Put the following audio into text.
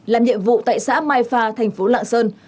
làm nhiệm vụ tại xã mai pha thành phố lạng sơn